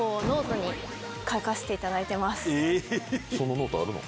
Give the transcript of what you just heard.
そのノートあるの？